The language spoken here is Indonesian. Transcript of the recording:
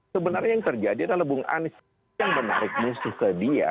sebenarnya yang terjadi adalah bung anies yang menarik musuh ke dia